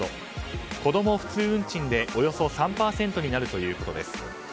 子供普通運賃でおよそ３％になるということです。